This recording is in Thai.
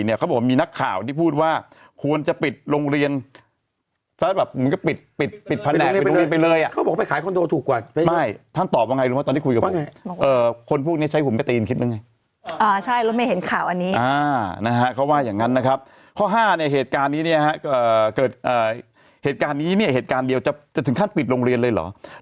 เหตุการณ์เดียวจะถึงถึงขั้นปิดโรงเรียนเลยหรือ